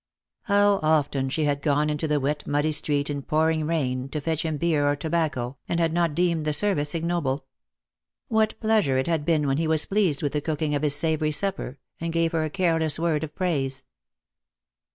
How often she had gone into the wet muddy street, in pouring rain, to fetch him beer or tobacco, and had not deemed the service ignoble ! What pleasure it had been when he was pleased with the cooking of his savoury supper, and gave her a careless word of praise